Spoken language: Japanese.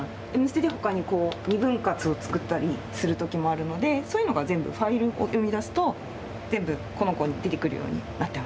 『Ｍステ』では他にこう２分割を作ったりする時もあるのでそういうのが全部ファイルを読み出すと全部この子に出てくるようになってます。